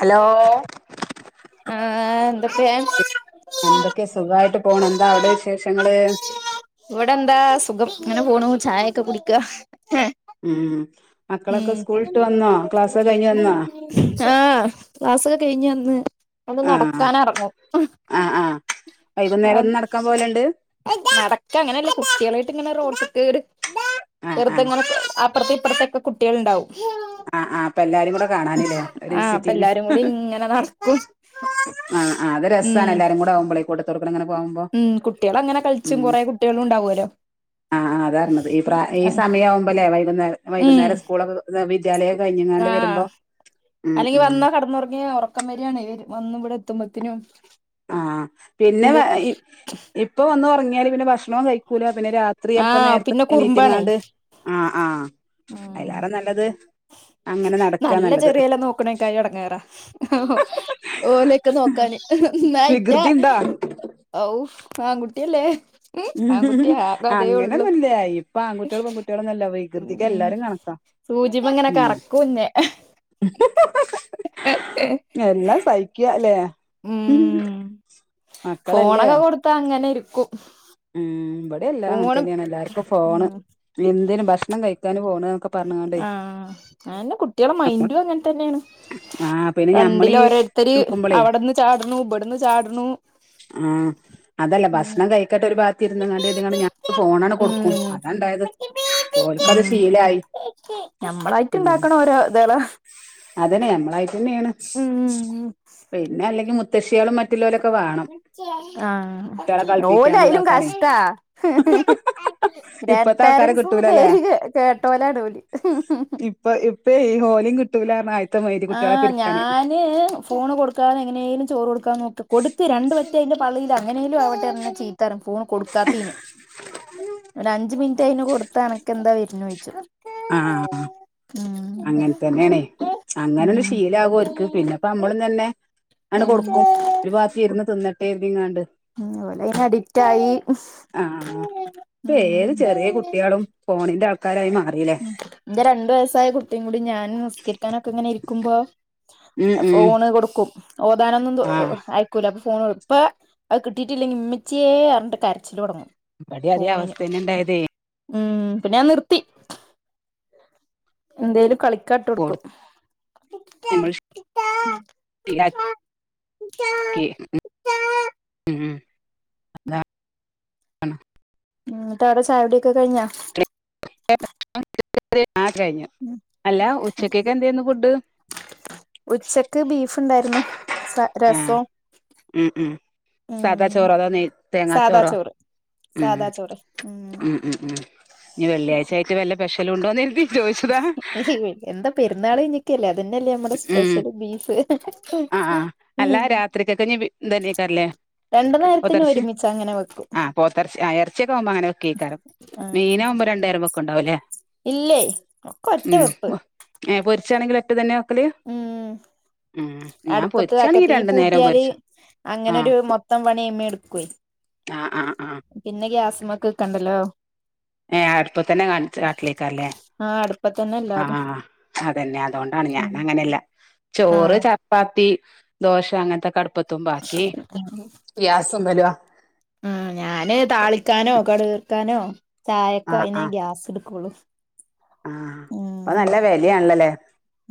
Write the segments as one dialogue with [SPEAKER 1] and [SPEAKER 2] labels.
[SPEAKER 1] Hello
[SPEAKER 2] [unintelligible]
[SPEAKER 1] എന്തൊക്കെ സുഖായിട്ട് പോണ് എന്താ അവിടെ വിശേഷങ്ങള്
[SPEAKER 2] ഇവിടെ എന്താ സുഖം ഇങ്ങനെ പോണു ചായൊക്കെ കുടിക്ക
[SPEAKER 1] ഉം
[SPEAKER 2] ഏ
[SPEAKER 1] മക്കളൊക്കെ സ്കൂളിട്ട് വന്നോ ക്ലാസ് കഴിഞ്ഞ് വന്നോ
[SPEAKER 2] ആ ക്ലാസൊക്കെ കയിഞ്ഞ് വന്ന് ഒന്ന്
[SPEAKER 1] ആഹ്
[SPEAKER 2] നടക്കാനർങ്ങും
[SPEAKER 1] ആഹ് ആഹ് വൈകുന്നേരം ഇന്ന് നടക്കാൻ പോവലുണ്ട്
[SPEAKER 2] അ നടക്ക അങ്ങനെല്ല കുട്ട്യേളെ ഇങ്ങെനെ റോട്ട് കേറി
[SPEAKER 1] ആഹ് ആഹ്
[SPEAKER 2] വെർതെങ്ങനെ അപ്പർത്തി ഇപ്പർത്തി കുട്ട്യേൾ ഇണ്ടാവും
[SPEAKER 1] ആ ആ അപ്പ എല്ലാരും കൂടി കാണാനിലേ ഒരു
[SPEAKER 2] ആഹ് അപ്പൊ
[SPEAKER 1] വിസിറ്റിംങ്
[SPEAKER 2] എല്ലാരും കൂടി ഇങ്ങനെ നടക്കും
[SPEAKER 1] ആ അത് രസ്സാണ്
[SPEAKER 2] ഉം
[SPEAKER 1] എല്ലാരും കൂടെ ആവുമ്പളെ കൂട്ടത്തോടെ ഇങ്ങനെ പോമ്പോ
[SPEAKER 2] ഉം കുട്ടികളങ്ങനെ കളിച്ചും
[SPEAKER 1] ഉം
[SPEAKER 2] കൊറേ കുട്ടികളും ഉണ്ടാവുമല്ലോ
[SPEAKER 1] ആ അതാർഞ്ഞത് ഈ പ്രാ ഈ സമയാമ്പോ ലേ വൈകുന്നേരം വൈകുന്നേരം സ്കൂളൊക്കെ [unintelligible]
[SPEAKER 2] ആ
[SPEAKER 1] കഴിഞ്ഞ്ങ്ങാണ്ട് വരുമ്പോ ഉം
[SPEAKER 2] അല്ലെങ്കി
[SPEAKER 1] ഉം
[SPEAKER 2] വന്നാ കട്ന്നൊർങ്ങി ഒർക്കം വെരാണ് വന്ന് ഇവിടെ എത്തുമ്പ ത്തിനും
[SPEAKER 1] ആ പിന്നെ ഇ ഇപ്പൊ വന്ന് ഒർങ്ങി യാല് ഭക്ഷണോം കയിക്കൂല
[SPEAKER 2] ആ പിന്നെ കുറുമ്പാണേ
[SPEAKER 1] ആഹ് ആഹ് അയിലാറെ നല്ലത് അങ്ങനെ നടക്കാ
[SPEAKER 2] നല്ല
[SPEAKER 1] നല്ലത്
[SPEAKER 2] ചെറിയെലാം നോക്കണേക്കായും എടങ്ങേറാ ഓലെക്കെ നോക്കാന് ഇന്നാ അയ്റ്റാ
[SPEAKER 1] വികൃതി ഇണ്ടാ
[SPEAKER 2] ഔ ആങ്കുട്ടിയല്ലേ
[SPEAKER 1] അങ്ങനെന്നുല്ല ഇപ്പൊ ആൺകുട്ടികള പെൺകുട്ടികളൊന്നല്ല വികൃതിക്ക്
[SPEAKER 2] ഉം
[SPEAKER 1] എല്ലാരും കണക്കാ
[SPEAKER 2] സൂചിമ്മെ ഇങ്ങനെ
[SPEAKER 1] ഉ
[SPEAKER 2] കറക്കും ഇന്നെ
[SPEAKER 1] എല്ലാം സഹിക്ക ല്ലെ ഉം
[SPEAKER 2] ഫോണൊക്കെ കൊടുത്താ അങ്ങനെ ഇരിക്കും
[SPEAKER 1] ഉം ബ ല്ല അത്
[SPEAKER 2] ഫോണും
[SPEAKER 1] തന്നെയാണ് എല്ലർക്കും ഫോണ്
[SPEAKER 2] ഉം
[SPEAKER 1] എന്തിനും ഭക്ഷണം കഴിക്കാനും ഫോണ് എന്നൊക്കെ പറഞ്ഞ്ങ്ങാണ്ടേ
[SPEAKER 2] ആ അന്നെ കുട്ടികള മൈൻഡും അങ്ങനെ തന്നെയാണ്
[SPEAKER 1] ആഹ് പിന്നെ
[SPEAKER 2] രണ്ടില്
[SPEAKER 1] ഞമ്മളീ
[SPEAKER 2] ഓരോരുത്തര്
[SPEAKER 1] നിക്കുമ്പളേ
[SPEAKER 2] അവിടെന്ന് ചാടണു ഇവിടുന്ന് ചാടണു ഉം
[SPEAKER 1] പത്തിരുന്നങ്ങതിങ്ങ ഞ ഫോണണ്
[SPEAKER 2] ഉം.
[SPEAKER 1] കൊടുക്കും
[SPEAKER 2] ഉം.
[SPEAKER 1] അതാണ്ടായത് ഓലക് അത് ശീലായി
[SPEAKER 2] നമ്മളായിട്ട്
[SPEAKER 1] ഉം
[SPEAKER 2] ഇണ്ടാക്കണ ഓരോ ഇതള
[SPEAKER 1] അതനെ നമ്മളായി തന്നെയാണ്
[SPEAKER 2] ഉം
[SPEAKER 1] പിന്നെയല്ലെങ്കി ഋക്ഷികളും മറ്റുലേലൊ
[SPEAKER 2] ആഹ്,
[SPEAKER 1] കളിപ്പിക്കാനും
[SPEAKER 2] ലോലായാലും
[SPEAKER 1] ഇതാക്കാനേ
[SPEAKER 2] കാശ്ട്ടാ ഗ്രാൻഡ്
[SPEAKER 1] ഇപ്പത്തെ ആൾക്കാരെ
[SPEAKER 2] പേരൻസെന്ന്
[SPEAKER 1] കിട്ടൂലല്ലേ
[SPEAKER 2] പേര് കേ കേട്ടോലാണ് ഓല്
[SPEAKER 1] ഇപ്പൊ ഇപ്പേ ഈ [unintelligible]
[SPEAKER 2] ആ
[SPEAKER 1] കുട്ട്യാളെ പിരിക്കാന്
[SPEAKER 2] ഞാന് ഫോണ് കൊടുക്കാതെങ്ങനേലും ചോറ് കൊടുക്കാ നോക്കും കൊടുത്ത് രണ്ട് വ തിന്റെ പള്ളല് അങ്ങനേലുവാവട്ടെന്ന ചീത്തറ ഫോണും കൊടുക്കാത്തീന് ഒരഞ്ച് മിനിറ്റ് അയിന് കൊടു തനക്കെന്താവെരുന്നൊഴ്‌ച്ചു.
[SPEAKER 1] ആ ആ അങ്ങനെത്തന്നെയാണേ
[SPEAKER 2] ഉം
[SPEAKER 1] ങ്ങനൊരു ശീലാവ്ര്ക് പിന്നെപ്പമ്മളും തന്നെ അണ്ട് കൊടുക്കും. രുപാത്തിരുന്ന് തിന്നട്ടെന്ന്. എങ്ങാണ്ട്
[SPEAKER 2] ഉം ഒലെന് അഡിക്റ്റായി ഉം
[SPEAKER 1] ആഹ് ഇപ്പ ക്കാരായി മാറില്ലേ.
[SPEAKER 2] ഉം ന്റെ രണ്ട് വയസായ കുട്ടിയും കൂടി ഞാനും നിസ്കരിക്കാനൊക്കെങ്ങനെയിരിക്കുമ്പോ.
[SPEAKER 1] ഉം ഉം
[SPEAKER 2] ഫോണ് കൊടുക്കും ഓതാനൊന്ന് ന്തൊ
[SPEAKER 1] ആ
[SPEAKER 2] അയക്കൂലാന്ന് ഓൺ ഇപ്പ അത് കിട്ടിട്ടില്ലെങ്കി ഉമ്മച്ച്യേ അറഞട്ട് കരച്ചില് തൊടങ്ങും.
[SPEAKER 1] ബടേം അതെ അവസ്ഥന്നെ ഇണ്ടായതേ
[SPEAKER 2] ഉം പിന്നെ ഞാ നിർത്തി. എന്തേലും കളി കട്ടെടെക്കും.
[SPEAKER 1] കൊടുത്ത് ഞമ്മൾ ശീലാക്കി [unintelligible]
[SPEAKER 2] ആ ഇന്നിട്ടവിടെ ചായുടിക്കെ കഴിഞ്ഞോ
[SPEAKER 1] [unintelligible] ആ കഴ്ഞ്ഞു അല്ല ഉച്ചക്കെക്കെ എന്തേര്ന്നു ഫുഡ്
[SPEAKER 2] ഉച്ചക്ക് ബീഫ്ണ്ടായിരുന്നു സ രസോം
[SPEAKER 1] സാധാ ചോറോ അതോ നെയ് തേങ്ങാ ചോറോ
[SPEAKER 2] ചോറ്
[SPEAKER 1] ഉം
[SPEAKER 2] സാദാ ചോറ് ഉം
[SPEAKER 1] ഉ ഉ ഉ [inaudible] ഞ്ഞി വെള്ളിയാഴ്ച്ചയായ്ട്ട് വെല്ലഫെഷലും [unintelligible]
[SPEAKER 2] ഏ ഹേ എന്താ പെരുന്നാള്ഞ്ഞ്നിക്കല്ലേ അതിന്റെല് നമ്മെടെ
[SPEAKER 1] ഉം
[SPEAKER 2] സ്പെഷ്യല് ബീഫ്
[SPEAKER 1] ആ ആ അല്ല രാത്രിത്തേക്കെനി തെന്നേക്കാരം ല്ലേ
[SPEAKER 2] രണ്ടു നേരത്തിനും
[SPEAKER 1] പോത്തെറച്ചി
[SPEAKER 2] ഒരുമിച്ച് അങ്ങനെ വെക്കും
[SPEAKER 1] ആ പോത്തെറച്ചി ആ എറച്ചിയൊക്കെക്കാവുമ്പം അങ്ങനെ വെക്കേക്കാരം ലെ
[SPEAKER 2] ഉം
[SPEAKER 1] മീനാമ്പോ രണ്ടുനേരവെക്ക്ണ്ടാവും ല്ലേ
[SPEAKER 2] ഇല്ലേ ഒക്കെ ഒറ്റ വെപ്പ്
[SPEAKER 1] ഏ കുറച്ചണെങ്കിലും ഒറ്റതെന്നെ ക്കല് ഉം ഞാൻ
[SPEAKER 2] അടുപ്പത്താക്ക
[SPEAKER 1] പൊരിച്ചാണെങ്കി
[SPEAKER 2] തീ
[SPEAKER 1] രണ്ടു നേരം
[SPEAKER 2] പൂട്ടിയാല്
[SPEAKER 1] പൊരിച്ചും ആഹ്
[SPEAKER 2] അങ്ങനൊരു മൊത്തം പണിയമ്മ ഇടുക്കേ
[SPEAKER 1] ആഹ് ആഹ് ആഹ്
[SPEAKER 2] പിന്നെ ഗ്യാസ്മ്മക്ക് വെക്കണ്ടല്ലോ
[SPEAKER 1] ഏ അടുപ്പത്തെന്നെ കാണിച്ച് ആക്കലേക്കാരം ലെ
[SPEAKER 2] ആ അടുപ്പത്തന്നെ
[SPEAKER 1] ആ
[SPEAKER 2] എല്ലാതും
[SPEAKER 1] അതെന്നെ അതുകൊണ്ടാണ് ഞാൻ അങ്ങനെയല്ല.
[SPEAKER 2] ആ
[SPEAKER 1] ചോറ് ചപ്പാത്തി [unintelligible] ദോശ അങ്ങനത്തൊക്കെ അടുപ്പത്ത് പ്പത്തും മ്പാക്കി ഗ്യാസുമ്മല
[SPEAKER 2] ആ ഞാന് താളിക്കാനോ കറി വെക് നോ ചായൊക്കെ അതിന് ഗ്യാസ് ഇടു സ്കൂള്
[SPEAKER 1] ആ പ്പൊ നല്ല വെലയാണല്ലോ ലെ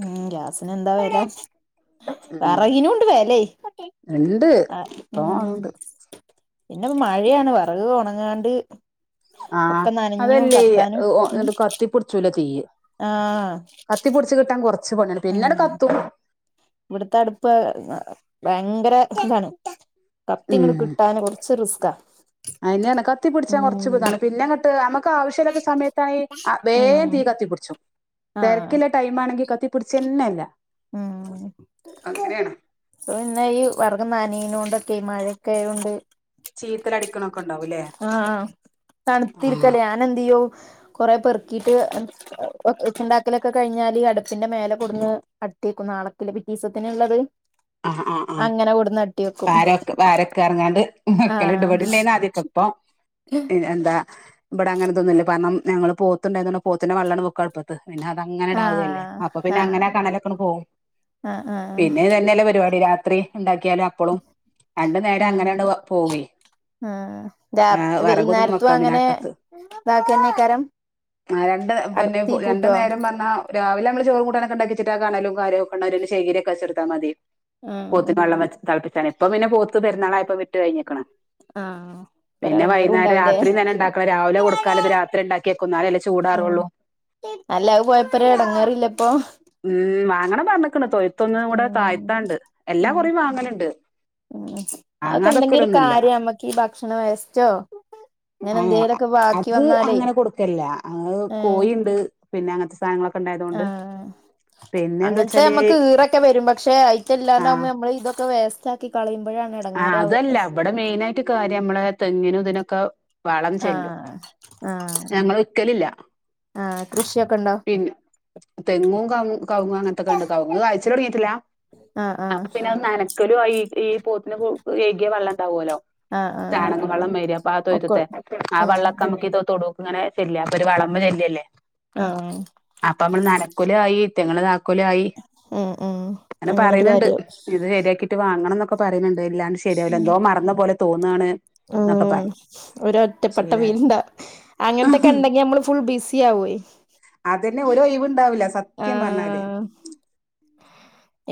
[SPEAKER 2] ഉം ഗ്യാസിന് [unintelligible]
[SPEAKER 1] ഉം
[SPEAKER 2] വെറകിനുണ്ട് വേലേ
[SPEAKER 1] ഇണ്ട് ഇപ്പൊ
[SPEAKER 2] ഉം
[SPEAKER 1] അതുണ്ട്
[SPEAKER 2] പിന്നെ മഴയാണ് വെറക് ഒണ ആണ്ട്
[SPEAKER 1] ആ അതല്ലേ
[SPEAKER 2] ഉം
[SPEAKER 1] കത്തിപ്പിടിച്ചൂല തിയ്യ്
[SPEAKER 2] ആഹ്
[SPEAKER 1] കത്തിപ്പിടിച്ച് കിട്ടാൻ കൊറച്ച് ച്ച് പണിയാണ് പിന്നണ്ട് കത്തും
[SPEAKER 2] ഇവിടത്തെ അടുപ്പ് ഭയങ്കര ഇതാണ്. കത്തി ഇങ്ങട് കിട്ടാന് കുറച്ച് റിസ്ക്കാ.
[SPEAKER 1] അതന്നെ കത്തി പിടിച്ചാൻ കുറച്ചു ഇതാണ് പിന്നെങ്ങട്ട് ആവശ്യമല്ലാത്ത സമയത്താണ് വേഗം
[SPEAKER 2] ആഹ്
[SPEAKER 1] തീ കത്തി പിടിച്ചു.
[SPEAKER 2] ആഹ്
[SPEAKER 1] തിരക്കുള്ള ടൈം ആണെങ്കിൽ പിടിച്ചെന്നല്ല.
[SPEAKER 2] ഉം പിന്ന ഈ വിറക് നനയന കൊണ്ടൊ മഴയൊക്കെ ആയതുകൊണ്ട്
[SPEAKER 1] ചീത്തല് അടിക്കണൊക്കെ ഉണ്ട്.
[SPEAKER 2] ആഹ്
[SPEAKER 1] ആഹ്
[SPEAKER 2] തണുത്തിരുക്കല്ലേ ഞാനെന്തേയും കുറെ പെറുക്കീയിട്ട് ഉണ്ടാക്കലൊക്കെ കഴിഞ്ഞാ അടുപ്പിന്റെ മേലെ കൊടുന്ന് അട്ടിക്കും നാളക്കില് പിറ്റീസത്തിന് ഉള്ളത്.
[SPEAKER 1] ആ ആ ആ വാരൊക്കെ വാരൊക്കെ ഇറങ്ങാണ്ട്
[SPEAKER 2] ആഹ്
[SPEAKER 1] വക്കൽണ്ട് ആദ്യമൊക്കെ ഇപ്പം എന്താ ഇബിടെ അങ്ങനത്തെ ഒന്നൂല്യ പ നമ് ഞങ്ങൾ പോത്ത്ണ്ടായതോണ്ട് പോത്തിന്റെ വെള്ളം ആണ്ട് വെക്കും അടുപ്പത്ത് പിന്നെ അതങ്ങനെ ഇടാവല്ലേ അപ്പൊ
[SPEAKER 2] ആഹ്
[SPEAKER 1] പിന്നെ
[SPEAKER 2] ആഹ്
[SPEAKER 1] അങ്ങനെ കണലൊക്കെങ്ങ് പോകും
[SPEAKER 2] ആഹ് ആഹ്
[SPEAKER 1] പിന്നെ ഇത്ഞ്ഞല്ലേ പ കറി രാത്രി ഉണ്ടാക്ക ണ്ടാക്കിയാൽ അപ്പളും രണ്ടു നേരം
[SPEAKER 2] ആഹ്
[SPEAKER 1] അങ്ങനെണ്ട് പോകേ
[SPEAKER 2] ആഹ് രാ
[SPEAKER 1] ഹേ വിറകൊന്നും
[SPEAKER 2] വൈകുന്നേരത്തും
[SPEAKER 1] വെക്ക പിന്നെ
[SPEAKER 2] അങ്ങനെ
[SPEAKER 1] അട്ടത്ത്
[SPEAKER 2] ഇതാക്കന്നെക്കാരം
[SPEAKER 1] ആ രണ്ട് പിന്നെ
[SPEAKER 2] അടുപ്പത്തീ
[SPEAKER 1] രണ്ട്
[SPEAKER 2] പൂട്ടുവോ
[SPEAKER 1] നേരം വന്ന രാവിലെ നമ്മള് ചോറും കൂട്ടാനും ഒക്കെ ഉണ്ടാക്കിവെച്ചിട്ട് ആ കണലും കാര്യവും ഒക്കെ ഉണ്ടായിട്ട് അയിൽ ചകിരി ഒക്കെ വെച്ച് കൊടുത്താമതി
[SPEAKER 2] ആഹ്
[SPEAKER 1] പോത്തിന് വെള്ളം വെച്ച് തള ഇപ്പ പിന്നെ പോത്ത് പെരുന്നാളായപ്പോ വിറ്റ് കഴിഞ്ഞക്ക്ണ്
[SPEAKER 2] ആഹ് ഒരു
[SPEAKER 1] പിന്നെ
[SPEAKER 2] എടങ്ങേറും
[SPEAKER 1] വൈകുന്നേരം
[SPEAKER 2] ഉണ്ടാവൂലേ
[SPEAKER 1] രാത്രി തന്നെ ഉണ്ടാക്കുള്ള രാവിലെ കൊടുക്കാലത് രാത്രി ഉണ്ടാക്കിയക്കും എന്നാലല്ലേ
[SPEAKER 2] ഉം
[SPEAKER 1] ചൂടാറുള്ളൂ
[SPEAKER 2] അല്ല അത് പോയപ്പോ ഒരു എടങ്ങേറില്ല ഇപ്പൊ
[SPEAKER 1] മ് അങ്ങനെപറഞക്ണ് തൊ ഴുത്ത് ഒന്ന് നമ്മുടെ തായ [unintelligible]
[SPEAKER 2] മ് മ് അതൊക്കെ ഉണ്ടെങ്കി ഒരു
[SPEAKER 1] വാങ്ങാതൊക്കലൊന്നുമില്ല
[SPEAKER 2] കാര്യം നമ്മക്ക് ഈ ഭക്ഷണ വേസ്‌റ്റോ ഇങ്ങനെ
[SPEAKER 1] ആ
[SPEAKER 2] എന്തേലൊക്കെ ബാക്കി
[SPEAKER 1] അത്
[SPEAKER 2] വന്നാല്
[SPEAKER 1] അങ്ങനെ കൊടുക്കലില്ല അത്
[SPEAKER 2] ഹേ
[SPEAKER 1] കോഴിയുണ്ട് പിന്നെ അങ്ങനത്തെ സാധനങ്ങളൊക്കെ
[SPEAKER 2] ആ
[SPEAKER 1] ഉണ്ടായതുകൊണ്ട് പിന്നെ എന്താ
[SPEAKER 2] അങ്ങനത്തെ
[SPEAKER 1] വെച്ചാല്
[SPEAKER 2] നമ്മുക്ക് ഈറൊക്കെ വരും പക്ഷെ
[SPEAKER 1] ആ
[SPEAKER 2] ആയിട്ടല്ലാണ്ടാവുമ്പോ നമ്മള് ഇതൊക്കെ വേസ്റ്റ് ആക്കി കളയുമ്പോഴാണ്
[SPEAKER 1] ആഹ്
[SPEAKER 2] ഇടങ്ങാറാവാ
[SPEAKER 1] അതല്ല ഇവിടെ മെയിനായിട്ട് കാര്യം നമ്മളെ തെങ്ങിനും ഇതിനൊക്കെ വളം ചെല്ലും
[SPEAKER 2] ആഹ് ആഹ്
[SPEAKER 1] ഞങ്ങള് വിക്കലില്ല
[SPEAKER 2] ആഹ് കൃഷിയൊക്കെ ഉണ്ടോ
[SPEAKER 1] പിന്നെ തെങ്ങും ക കവുങ്ങ് അങ്ങൻതെക്കോ ഉണ്ട് കവുങ്ങ് കായ്ച്ചല് തുടങ്ങീട്ടില്ല
[SPEAKER 2] ആഹ്
[SPEAKER 1] അപ്പ
[SPEAKER 2] ആഹ്
[SPEAKER 1] പിന്നെ നനക്കലും ആയി ഈ പോത്തിന് കു കൈകിയ വെള്ളം ഉണ്ടാവോലോ
[SPEAKER 2] ആഹ് ആഹ്
[SPEAKER 1] ചാണക വെള്ളം മാരി അപ്പൊ ആ
[SPEAKER 2] ഒക്കെ
[SPEAKER 1] തൊയുത്ത്ത്തെ ആ
[SPEAKER 2] ഉം
[SPEAKER 1] വെള്ളം ഒക്കെ നമ്മുക്ക് ഈ തൊടു അങ്ങനെ ചെല്ല അപ്പൊ ഒരു വളമ ചെല്ലല്ലേ
[SPEAKER 2] ആഹ്
[SPEAKER 1] അപ്പൊ നമ്മള് നനക്കലും ആയി ഇറ്റങ്ങൾ
[SPEAKER 2] മ് മ്
[SPEAKER 1] ഇങ്ങനെ പറയുന്നുണ്ട് ഇത് ശരിയാക്കിട്ട് വേ അങ്ങനന്നൊക്ക പറയുന്നുണ്ട് പേരിലാണ് ശെരിയാവൂല എന്തോ മറന്ന പോലെ തോന്നാണ്
[SPEAKER 2] മ് ഒരു ഒറ്റപ്പെട്ട
[SPEAKER 1] ശീലായി
[SPEAKER 2] ഫീൽണ്ടാ അങ്ങനത്തൊക്കെ ഉണ്ടെങ്കി നമ്മള് ഫുൾ ബിസി ആവും
[SPEAKER 1] അതന്നെ ഒരു ഒഴിവുണ്ടാവില്ല സത്യം പറഞ്ഞാലെ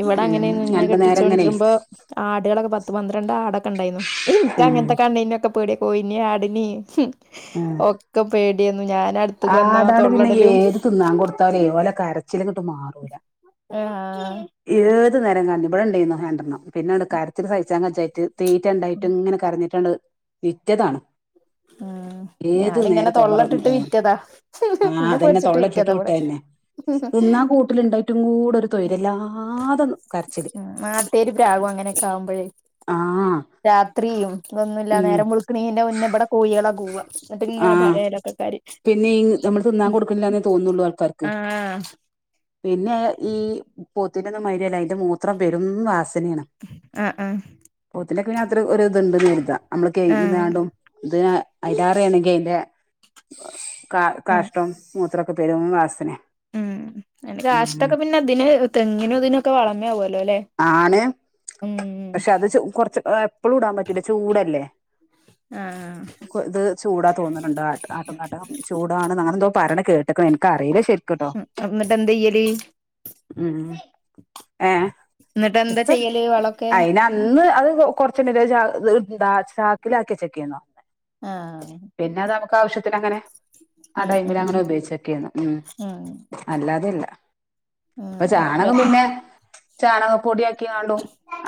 [SPEAKER 2] ഇവിടെ അങ്ങനെ നിന്ന് കെട്ടിച്ചോണ്ടിരുമ്പോ ആടുകളൊക്കെ പത്ത് പന്ത്രണ്ട ണ്ടായിരുന്നു ഇനിക്ക്
[SPEAKER 1] ഉം
[SPEAKER 2] അങ്ങനത്തെ കണ്ട്കയിഞ്ഞ ഒക്കെ പേടിയ കോയിനേം ആടിനേം [unintelligible]
[SPEAKER 1] ആ
[SPEAKER 2] അടുത്തക്ക് വന്നാ
[SPEAKER 1] ആടാള് പിന്നെ
[SPEAKER 2] തൊള്ളടലും
[SPEAKER 1] ഏത് തിന്നാൻ കൊടുത്താലും ഓല കര രച്ചിലങ്ങിട്ട് മാറൂല
[SPEAKER 2] ആഹ്
[SPEAKER 1] [unintelligible] ഏത് നേരം കരഞ്ഞ് ഇവിടെണ്ടായിരുന്നു രണ്ടെണ്ണം പിന്നെ ഉണ്ട് കരച്ചിൽ സഹിച്ചാങ്‌വെച്ചിട് തീറ്റ ഉണ്ടായിട്ടും ഇങ്ങനെ കരഞ്ഞിട്ടുണ്ട്. വിറ്റതാണ്
[SPEAKER 2] ഉം
[SPEAKER 1] ഏത്
[SPEAKER 2] ഞാനിങ്ങനെ
[SPEAKER 1] നേരോം
[SPEAKER 2] തൊള്ളട്ടിട്ട്
[SPEAKER 1] തൊള്ളറുന്ന്തരുന്നു
[SPEAKER 2] വിറ്റതാ
[SPEAKER 1] ആ
[SPEAKER 2] ഇന്നെ
[SPEAKER 1] അതന്നെ
[SPEAKER 2] പേടിച്ചിട്ട്
[SPEAKER 1] തൊള്ളട്ടിട്ട്
[SPEAKER 2] വിറ്റതാ ഇവിടെ
[SPEAKER 1] വിട്ടേ തന്നെ തിന്നാ കൂട്ടിലുണ്ടായിട്ടും കൂടൊരു
[SPEAKER 2] നാട്ടേര് പ്രാവും അങ്ങനെയൊക്കെ ആകുമ്പോഴേ
[SPEAKER 1] ആഹ്
[SPEAKER 2] രാത്രിയും ഇതൊന്നുല്ല
[SPEAKER 1] ഉം
[SPEAKER 2] നേരം മുളുക്കണേന്റെ മുന്നേ ഇവിടെ കോഴികള അ കൂവ എന്നിട്ട് ഇങ്ങനെ
[SPEAKER 1] ആഹ്
[SPEAKER 2] പറയാലോക്ക കാര്
[SPEAKER 1] പിന്നെ ഈ നമ്മൾ തിന്നാൻ കൊടുക്കണില്ലന്നേ തോന്ന്ള്ളൂ ആൾക്കാർക്ക്
[SPEAKER 2] ആഹ്
[SPEAKER 1] പിന്നെ ഈ പോത്തിന്റെന്നും മാരിയല്ല അതിന്റെ മൂത്രം പെരും വാസ നയാണ്
[SPEAKER 2] ആഹ് ആഹ്
[SPEAKER 1] പോത്തിന്റെ ഒക്കെ പിന്നെ അത്ര ഒരു അതുണ്ടെന്ന് കരുതാ നമ്മള്
[SPEAKER 2] ആഹ്
[SPEAKER 1] കൈകിതാണ്ടും ഇതിന [unintelligible] ആണെങ്ക അയിന്റെ കാ
[SPEAKER 2] ആഹ്
[SPEAKER 1] കാഷ്ടം മൂത്ര പെരും വാസനയാ
[SPEAKER 2] ഉം
[SPEAKER 1] ഉം
[SPEAKER 2] കാഷ്ടൊക്കെ പിന്നെ അതിന് തെങ്ങിനും ഇതിനൊക്കെ വളമയാകുവ
[SPEAKER 1] ആണ് പക്ഷെ അത് [unintelligible] കൊറച്ച് [unintelligible] എപ്പളും ഇടാൻ പറ്റൂല ചൂടല്ലേ
[SPEAKER 2] ആഹ്
[SPEAKER 1] ഇത് ചൂടാ തോന്നുണുണ്ട് ആട്ടും കാട്ടം ചൂടാണ്ന്ന് അങ്ങനെന്തോ പറണ കേട്ടക്കണു എനിക്കറിയില്ല ശരി
[SPEAKER 2] ഉം എന്നിട്ടേന്തയ്യല്
[SPEAKER 1] ഉം ഏ
[SPEAKER 2] എന്നിട്ട് എന്താ
[SPEAKER 1] ഇപ്പ
[SPEAKER 2] ചെയ്യല് വളൊക്കെ
[SPEAKER 1] അയിന് അന്ന് അത് കൊറച്ചൊള്ളത് ചാ ന്താ ചാക്കില ആക്കിവെച്ചക്കനെ പറഞ്ഞെ
[SPEAKER 2] ആഹ്
[SPEAKER 1] ക്കാവശ്യത്തിന് അങ്ങനെ ആ
[SPEAKER 2] ഉം
[SPEAKER 1] ടൈമിൽ
[SPEAKER 2] ഉം
[SPEAKER 1] അങ്ങനെ ഉപയോഗിച്ചൊക്കെയാരുന്നു ഉം അല്ലാതെയില്ല. പ്പ ചാണകം
[SPEAKER 2] ആഹ്
[SPEAKER 1] പിന്നെ ചാണക പൊടിയാ ക്കിയാലും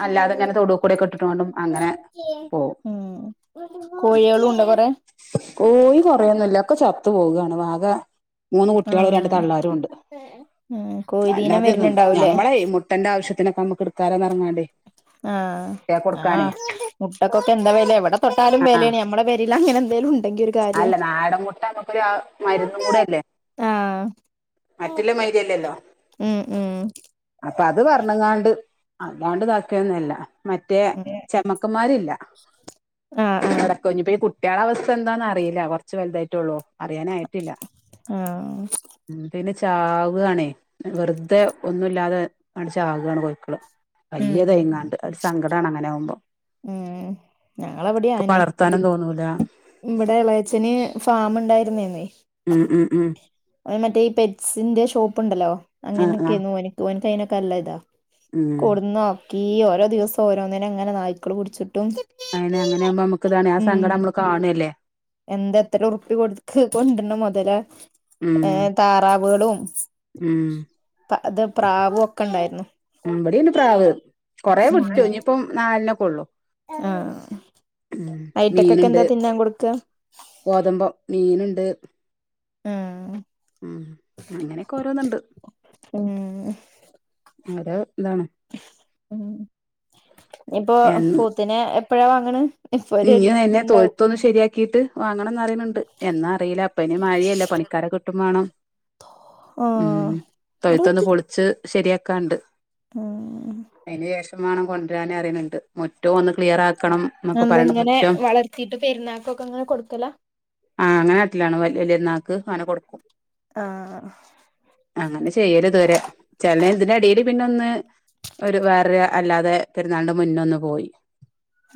[SPEAKER 1] അല്ലാതെ [unintelligible] തൊടൂ കൂടിയൊക്കെ ഇട്ടിട്ട് വീണ്ടും അങ്ങനെ പോവും
[SPEAKER 2] ഉം കോഴികളും ഉണ്ടോ കൊറെ
[SPEAKER 1] കോയി കൊറെയോന്നുല്ല. ഒക്കെ ചത്ത് പോവുകയാണ് വാക മൂന്ന് കുട്ടികളും രണ്ട്
[SPEAKER 2] ആഹ്
[SPEAKER 1] തള്ളാരും ഉണ്ട്
[SPEAKER 2] ഉം കോഴീദീനം
[SPEAKER 1] അല്ലാതെയൊന്നുവില്ല
[SPEAKER 2] വരുന്നുണ്ടാവൂലേ
[SPEAKER 1] ഞമ്മളെ മു ആവശ്യത്തിനക്കെ നമ്മുക്ക് എടുക്കാലോങ്ങെറങ്ങാണ്ടേ
[SPEAKER 2] ആ ആ മുട്ടക്കൊക്കെ എന്താ വെല എവിടെ തൊട്ടാലും
[SPEAKER 1] ആഹ്
[SPEAKER 2] വെല്യാണ് നമ്മടെ പെരേല് അങ്ങനെന്തെലും ഉണ്ടെങ്കി ഒരു കാര്യ
[SPEAKER 1] അല്ല നാടൻ മുട്ട നമുക്കൊരു മരുന്നും കൂടെ അല്ലേ
[SPEAKER 2] ആ
[SPEAKER 1] മറ്റുള്ള മാതിരിയല്ലല്ലോ
[SPEAKER 2] ഉം ഉം
[SPEAKER 1] അപ്പൊ അത് പറഞ്ഞുങ്ങാണ്ട് [unintelligible] മറ്റേ ചമ്മക്കന്മാരില്ല
[SPEAKER 2] ആഹ് ആഹ്
[SPEAKER 1] അടക്കൊഞ്ഞപ്പ ഈ കു കുട്ട്യാളവസ്ഥ എന്താന്നറിയില്ല കൊറച്ച് വലുതായിട്ടേ ഉള്ളൂ. അറിയാനായിട്ടില്ല.
[SPEAKER 2] ആഹ്
[SPEAKER 1] ഉം പിന്നെ ചാവ്വാണേ വെർതെ ഒന്നുല്ലാതെ ങ്ങട്ട് ചാക്വാണ് കോയിക്കള്.
[SPEAKER 2] ഉം
[SPEAKER 1] വല്ല്യത് എങ്ങാണ്ട് അ സങ്കടാണ് അങ്ങന്യാവുമ്പോ.
[SPEAKER 2] ഉം ഞങ്ങളവിടെ
[SPEAKER 1] ഇപ്പ
[SPEAKER 2] അയന്നെ
[SPEAKER 1] വളർത്താനും തോന്നൂല.
[SPEAKER 2] ഇവിടെ എളേച്ചന് ഫാം ഉണ്ടായിരുന്നയാന്നേ.
[SPEAKER 1] ഉം ഉം ഉം
[SPEAKER 2] അതു മറ്റേ ഈ പെറ്റ്സിന്റെ ഷോപ്പ് ഉണ്ടല്ലോ?
[SPEAKER 1] ആഹ് ആഹ്
[SPEAKER 2] അങ്ങനെയൊക്കെരുന്നു ഓന്ക്ക് ഓനിക്കയിന് ക്കല്ലയിതാ.
[SPEAKER 1] ഉം
[SPEAKER 2] കൊടുന്നോ? ഈ ഓരോ ദിവസം ഓരോന്നിനേം അങ്ങന നായ്ക്കള് പുടിച്ചു.
[SPEAKER 1] അയിനെ അങ്ങനെ ആകുമ്പോ നമുക്ക് ഇതാണ് ആ സങ്കടം
[SPEAKER 2] ഉം
[SPEAKER 1] നമ്മള് കാണുവല്ലേ
[SPEAKER 2] എന്താത്ര ഉറുപ്പി കൊടുത്ത് കൊണ്ടരണ മൊതലാ.
[SPEAKER 1] ഉം
[SPEAKER 2] ഏ താറാവുകളും
[SPEAKER 1] ഉം
[SPEAKER 2] അത് പ്രാവുവൊക്കെണ്ടായിരുന്നു.
[SPEAKER 1] ഇവിടേണ്ട് പ്രാവ് കൊറേ വിട്ടു ഇനിയിപ്പം നാലിനക്കെ ഒള്ളു.
[SPEAKER 2] ആ
[SPEAKER 1] ഉം മീനുണ്ട് ഗോതമ്പ്‌ മീനു ട്
[SPEAKER 2] ആ
[SPEAKER 1] ഉം അങ്ങനെക്കെ ഓരോന്ന്ണ്ട്
[SPEAKER 2] ഉം
[SPEAKER 1] അതെ
[SPEAKER 2] ഉം ഇഞ്ഞിപ്പൊ
[SPEAKER 1] എൻ
[SPEAKER 2] പോത്തിനെ എ ഇപ്പഴാ വാങ്ങ്ണ്
[SPEAKER 1] ഇനി ആയന്നെ തൊഴുത്തൊന്ന് ശരിയാക്കിട്ട് വാങ്ങണംന്ന് പറയ്ണ്ണ്ട് എന്നാ അറിയില്ല ഇപ്പ ആയിന് മഴയല്ലേ പണിക്കാരൊ കിട്ടും വേണം ഉം
[SPEAKER 2] ആഹ് അവിടെ
[SPEAKER 1] തൊഴ്‌ത്തൊന്ന്
[SPEAKER 2] വെക്ക്
[SPEAKER 1] പൊളിച്ച് ശരിയാക്കാണ്ട്
[SPEAKER 2] ഉം
[SPEAKER 1] ശമാനം കൊണ്ടുവരാനറിയ്ണ് ണ്ട് മുറ്റോം ഒന്ന് ക്ലിയർ ആക്കണം എന്നൊക്കെ
[SPEAKER 2] എന്ത
[SPEAKER 1] പറയണ
[SPEAKER 2] ഇങ്ങനെ
[SPEAKER 1] മുറ്റം
[SPEAKER 2] വളർത്തിട്ട് പെരുന്നാക്കൊക്കെ ഇങ്ങനെ കൊടുക്കലാ
[SPEAKER 1] ക്ക്‌ അങ്ങനെ കൊട്ക്കും
[SPEAKER 2] ആഹ്
[SPEAKER 1] അങ്ങനെ ചെയ്യല് ഇതുവരെ ചെലെ ഇതിന്റെ എടെല് പിന്നൊന്ന് ഒരു വേറൊരു അല്ലാതെ പെരുന്നാളിന്റെ മുന്നൊന്ന് പോയി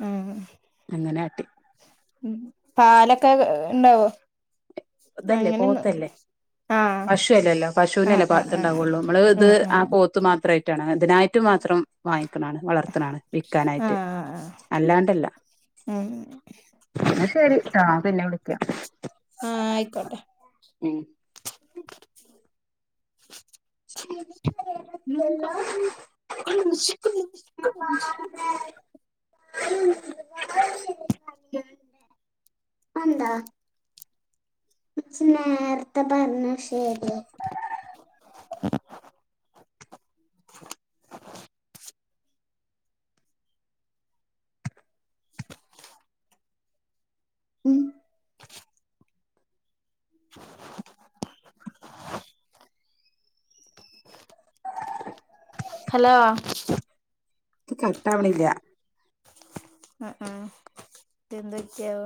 [SPEAKER 2] ഉം
[SPEAKER 1] ഇങ്ങനാട്ടി
[SPEAKER 2] ഉം പാലൊക്കെ ഇണ്ടാവോ
[SPEAKER 1] ഇതല്ലേ
[SPEAKER 2] അങ്ങനെയൊന്ന്
[SPEAKER 1] പോത്തല്ലേ
[SPEAKER 2] ആഹ്
[SPEAKER 1] പശു അല്ലേല്ലോ
[SPEAKER 2] ആഹ്
[SPEAKER 1] പശുവിനെല്ലേ പാ
[SPEAKER 2] ആഹ് ആഹ്
[SPEAKER 1] ഇത്ണ്ടാവൊള്ളൂ നമ്മള് ഇത്
[SPEAKER 2] ഉം
[SPEAKER 1] ആ
[SPEAKER 2] ഉം
[SPEAKER 1] പോത്ത് മാത്രയി ട്ടാണ് അതിനായിട്ട് മാത്രം വാ ക്കാണാണ് വളർത്തണാണ് വിക്കാനായിട്ട്
[SPEAKER 2] ആഹ്
[SPEAKER 1] അല്ലാണ്ടല്ല
[SPEAKER 2] ഉം
[SPEAKER 1] എന്നാ ശരി പിന്നെ വിളിക്കാം
[SPEAKER 2] ക്കോട്ടേ
[SPEAKER 1] ഉം
[SPEAKER 2] [inaudible] ന്തിപ്പിത് [unintelligible]
[SPEAKER 1] [unintelligible] [unintelligible] പറഞ്ഞ ശെരിയ ഉം
[SPEAKER 2] [inaudible] ഹലോ
[SPEAKER 1] ഇത് കട്ടാവണില്ല
[SPEAKER 2] അ ആഹ് ത് ന്തൊക്കെയാവോ